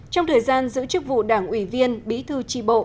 trong thời gian giữ chức vụ đảng ủy viên bí thư tri bộ